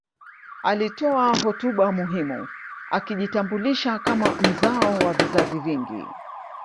Alitoa hotuba muhimu akijitambulisha kama mzao wa vizazi vingi